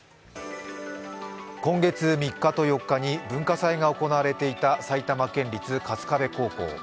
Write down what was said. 今月３日と４日に文化祭が行われていた埼玉県立春日部高校。